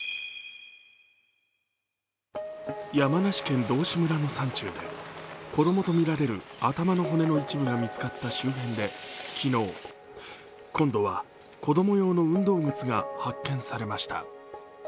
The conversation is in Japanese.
山梨県道志村の山中で、子供とみられる頭の骨の一部が見つかった周辺で今度は子供用の運動靴が発見されました。